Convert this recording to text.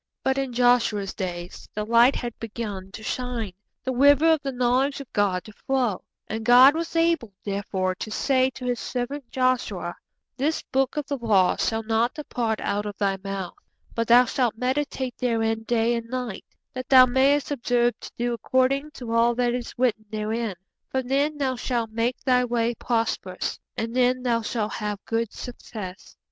But in Joshua's days the light had begun to shine, the river of the knowledge of God to flow, and God was able, therefore, to say to His servant Joshua: '_This book of the law shall not depart out of thy mouth; but thou shall meditate therein day and night, that thou mayest observe to do according to all that is written therein: for then thou shall make thy way prosperous, and then thou shall have good success.